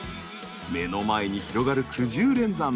目の前に広がるくじゅう連山。